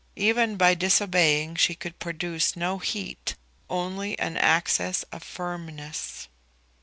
Even by disobeying she could produce no heat, only an access of firmness.